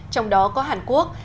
trong đó có hàn quốc